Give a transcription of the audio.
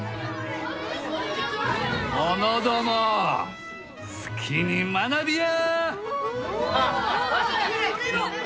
者ども好きに学びや！